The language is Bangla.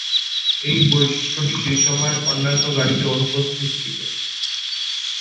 এই বৈশিষ্ট্যটি সেসময় অন্যান্য গাড়িতে অনুপস্থিত ছিল।